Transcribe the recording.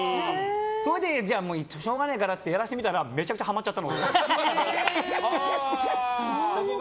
それでしょうがねえからってやらせてみたらめちゃくちゃハマっちゃったの俺が。